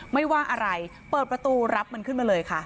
ไม่ว่าอะไรเปิดประตูรับมันขึ้นมาเลยค่ะ